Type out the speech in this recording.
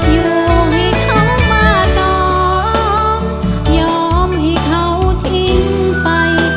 อยู่ให้เขามาสองยอมให้เขาทิ้งไป